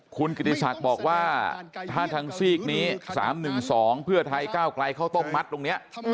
คุณกิติศักดิ์บอกว่าถ้าทางซีกนี้๓๑๒เพื่อไทยก้าวไกลเข้าต้มมัดตรงนี้